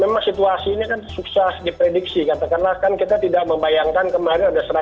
ya memang situasi ini kan sukses diprediksi katakanlah kan kita tidak membayangkan kemarin ada serangan rusia ke ukraina